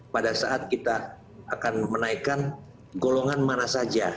pada saat kita akan menaikkan golongan mana saja